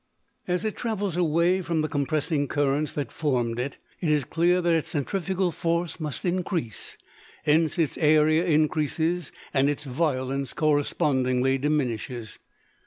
As it travels away from the compressing currents that formed it, it is clear that its centrifugal force must increase; hence, its area increases, and its violence correspondingly diminishes.